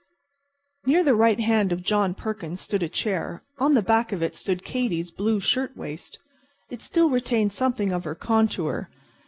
Near the right hand of John Perkins stood a chair. On the back of it stood Katy's blue shirtwaist. It still retained something of her contour.